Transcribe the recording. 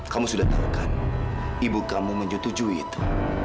kamu sudah tahu kan ibu kamu menyetujui itu